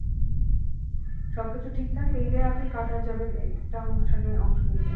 সবকিছু ঠিক থাকলে ঈদের আগেই কাতার যাবেন একটা অনুষ্ঠানে অংশ নিতে।